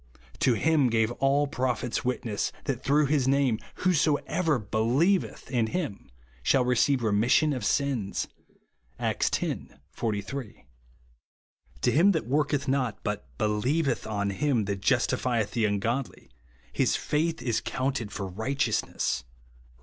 To him gave all the pro phets witness, that through his name who^ soever helieveth in him shall receive remis sion of sins," (Acts x. 43). " To him that worketh not, but helieveth on him that jus tifieth the ungodly, his faith is counted for righteousness/' (Rom.